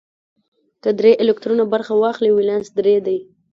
که درې الکترونه برخه واخلي ولانس درې دی.